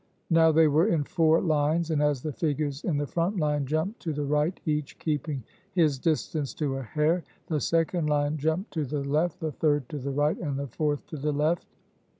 Now they were in four lines, and as the figures in the front line jumped to the right, each keeping his distance to a hair, the second line jumped to the left, the third to the right, and the fourth to the left.